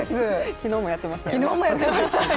昨日もやってました。